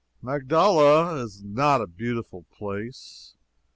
Magdala is not a beautiful place.